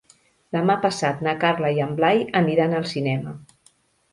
Demà passat na Carla i en Blai aniran al cinema.